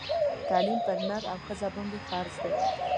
تعلیم پر نر او ښځه باندي فرض دی